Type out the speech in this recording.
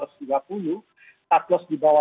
satlos di bawah dua ratus delapan belas